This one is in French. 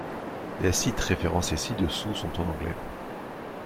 Les sites référencés ci-dessous sont en anglais.